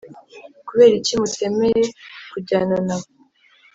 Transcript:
Kubera iki mutemeye kujyana nabo